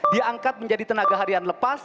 diangkat menjadi tenaga harian lepas